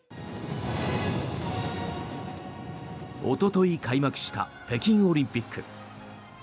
おととい開幕した北京オリンピック。